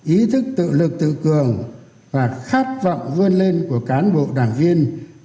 ý thức tự lực tự cường và khát vọng vươn lên của cán bộ đảng viên và nhân dân